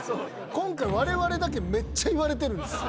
今回われわれだけめっちゃ言われてるんですよ。